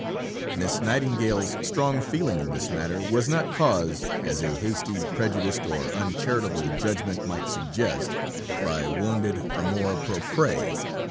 Miss Nightingale's strong feeling in this matter was not caused, as a hasty, prejudiced, or uncharitable judgment might suggest, by wounded amour propre.